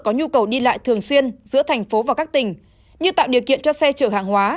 có nhu cầu đi lại thường xuyên giữa thành phố và các tỉnh như tạo điều kiện cho xe chở hàng hóa